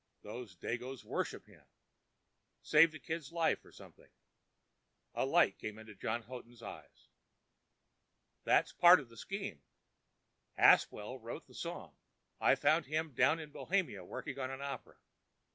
Those dagoes worship him—saved a kid's life or something." A light came into John Houghton's eyes. "That's part of the scheme. Aspwell wrote the song. I found him down in bohemia working on an opera.